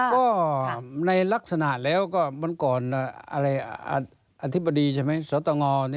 ก็ในลักษณะแล้วก็บ้านก่อนอธิบดีสัตว์ตะงอ